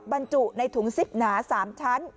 บรรจุในถุงซิปหนา๓ชั้น